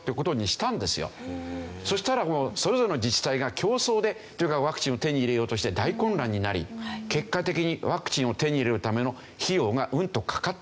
そしたらそれぞれの自治体が競争でとにかくワクチンを手に入れようとして大混乱になり結果的にワクチンを手に入れるための費用がうんとかかってしまった。